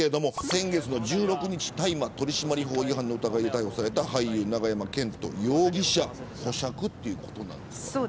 先月の１６日大麻取締法違反の疑いで逮捕された永山絢斗容疑者が保釈ということです。